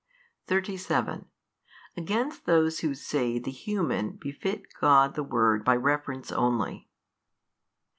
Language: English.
37. Against those who say the human befit God the Word by reference only.